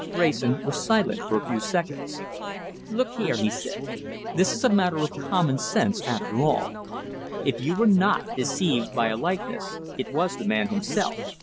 Wrayson was silent for a few seconds. "Look here," he said, "this is a matter of common sense after all. If you were not deceived by a likeness, it was the man himself!